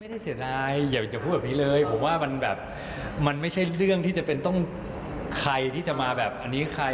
เสียดายอย่าพูดแบบนี้เลยผมว่ามันแบบมันไม่ใช่เรื่องที่จะเป็นต้องใครที่จะมาแบบอันนี้ใคร